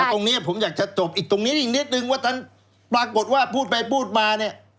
ตรงนี้ผมอยากจะจบอีกตรงนี้อีกนิดนึงว่าท่านปรากฏว่าพูดไปพูดมาเนี่ย